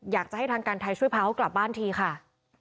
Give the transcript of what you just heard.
อยากจะให้ทางการไทยช่วยพาเขากลับบ้านทีค่ะ